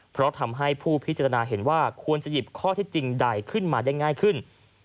เพราะทำให้ผู้พิจารณาเห็นว่าควรจะหยิบข้อเท็จจริงใดขึ้นมาได้ง่ายขึ้น